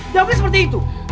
jawabannya seperti itu